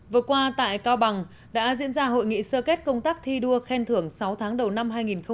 vừa qua tại cao bằng đã diễn ra hội nghị sơ kết công tác thi đua khen thưởng sáu tháng đầu năm hai nghìn một mươi chín